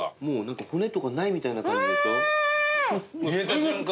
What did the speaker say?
もう何か骨とかないみたいな感じでしょ？